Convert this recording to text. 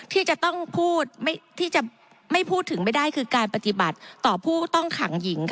ที่จะไม่พูดถึงไม่ได้คือการปฏิบัติต่อผู้ต้องขังหญิง